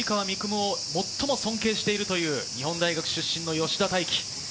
夢を最も尊敬しているという日本大学出身の吉田泰基。